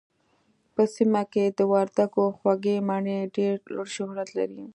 په سيمه کې د وردګو خوږې مڼې ډېر لوړ شهرت لري